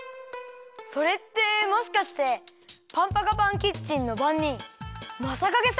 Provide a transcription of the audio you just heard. それってもしかしてパンパカパンキッチンのばんにんマサカゲさん？